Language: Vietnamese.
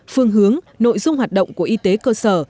phương hướng nội dung hoạt động của y tế cơ sở